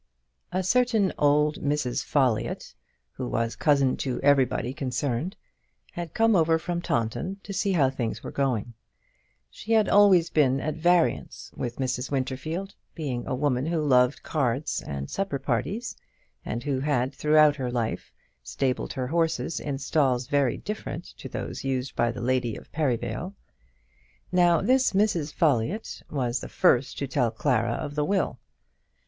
A certain old Mrs. Folliott, who was cousin to everybody concerned, had come over from Taunton to see how things were going. She had always been at variance with Mrs. Winterfield, being a woman who loved cards and supper parties, and who had throughout her life stabled her horses in stalls very different to those used by the lady of Perivale. Now this Mrs. Folliott was the first to tell Clara of the will.